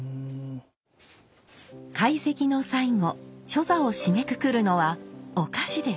懐石の最後初座を締めくくるのはお菓子です。